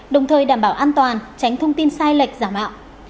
đồng thời đảm bảo an toàn tránh thông tin sai lệch giảm ạo